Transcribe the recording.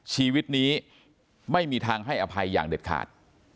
ชีวิตนี้ไม่มีทางให้อภัยอย่างเด็ดขาด